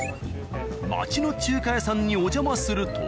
町の中華屋さんにお邪魔すると。